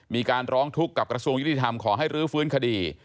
มีการร้องทุกข์กับกระทรวงยุติธรรมขอให้รื้อฟื้นคดี